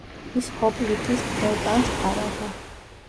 ის ჰოპლიტის მთელ ტანს ფარავდა.